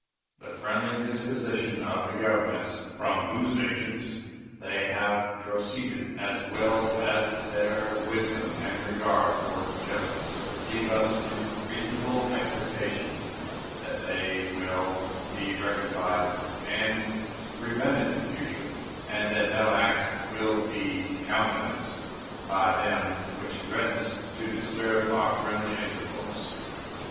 The friendly disposition of the Governments from whose agents they have proceeded, as well as their wisdom and regard for justice, leave us in reasonable expectation that they will be rectified and prevented in future, and that no act will be countenanced by them which threatens to disturb our friendly intercourse.